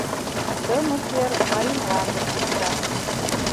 Тымык эр Марий мландым вӱчка.